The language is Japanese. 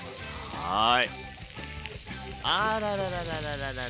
はい。